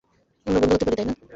আমরা বন্ধু হতে পারি, তাই না?